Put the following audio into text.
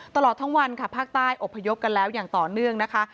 ตลอดทั้งวันค่ะภาคใต้อบพยพกันแล้วอย่างต่อเนื่องนะคะ